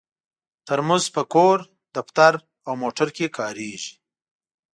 ترموز په کور، دفتر او موټر کې کارېږي.